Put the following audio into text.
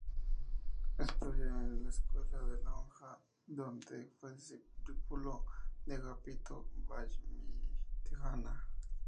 Estudió en la Escuela de la Lonja, donde fue discípulo de Agapito Vallmitjana.